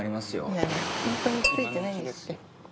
いやいやホントについてないんですって。